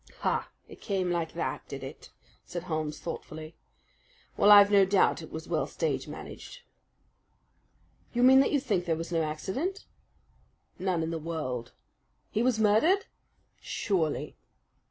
"Ha! It came like that, did it?" said Holmes thoughtfully. "Well, I've no doubt it was well stage managed." "You mean that you think there was no accident?" "None in the world." "He was murdered?" "Surely!"